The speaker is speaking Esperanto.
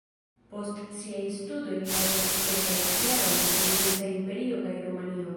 Post siaj studoj li laboris kelkajn jarojn en Rusa Imperio kaj Rumanio.